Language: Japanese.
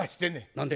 何で？